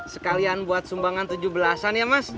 sekalian buat sumbangan tujuh belas an ya mas